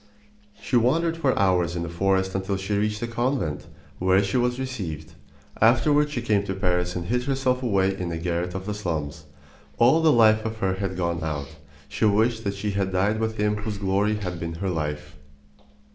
She wandered for hours in the forest until she reached a convent, where she was received. Afterward she came to Paris and hid herself away in a garret of the slums. All the light of her life had gone out. She wished that she had died with him whose glory had been her life.